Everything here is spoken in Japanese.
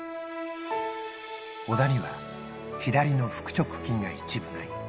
小田には、左の腹直筋が一部ない。